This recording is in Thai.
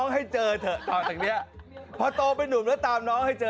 ให้เจอเถอะต่อจากนี้พอโตเป็นนุ่มแล้วตามน้องให้เจอ